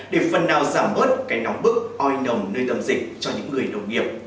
để phần nào giảm bớt cái nóng bức oi nồng nơi tâm dịch cho những người đồng nghiệp